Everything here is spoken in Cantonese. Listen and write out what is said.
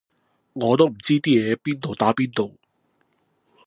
我都唔知啲嘢邊度打邊度